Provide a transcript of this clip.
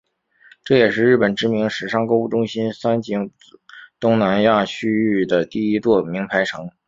这也是日本知名时尚购物中心三井于东南亚区域的第一座名牌城。